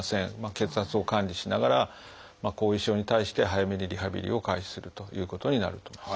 血圧を管理しながら後遺症に対して早めにリハビリを開始するということになると思います。